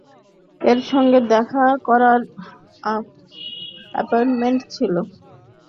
ওর সঙ্গে দেখা করার অ্যাপয়েন্টমেন্ট ছিল।